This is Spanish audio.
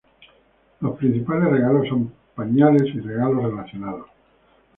Los principales regalos son pañales y regalos relacionados.